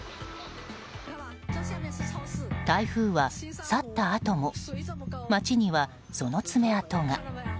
台風は去ったあとも街には、その爪痕が。